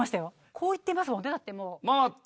こう行ってますもんねだって。